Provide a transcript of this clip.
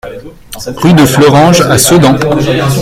Rue de Fleuranges à Sedan